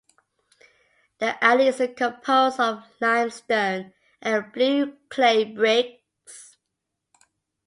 The alley is composed of limestone and blueclay bricks.